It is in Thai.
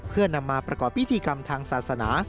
เพื่อนำมาประกอบพิธีกรรมทางศาสนา